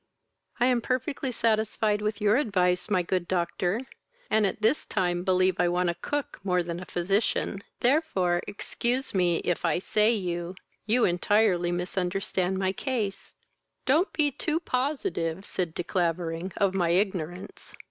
"I am perfectly satisfied with your advice, my good doctor, and at this time believe I want a cook more than a physician, therefore excuse me if I say you you entirely misunderstand my case." "Don't be too positive (said De Clavering) of my ignorance.